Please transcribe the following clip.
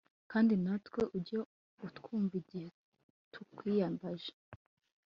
kandi natwe ujye utwumva igihe tukwiyambaje